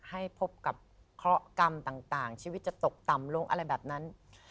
ให้พบกับเคราะหกรรมต่างชีวิตจะตกต่ำลงอะไรแบบนั้น